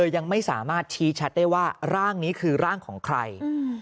ยังไม่สามารถชี้ชัดได้ว่าร่างนี้คือร่างของใคร